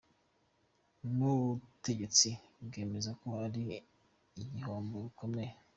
N’ubutegetsi bwemeza ko ari igihombo gikomeye.